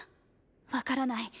分からない。